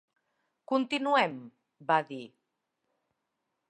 "Continuem" va dir.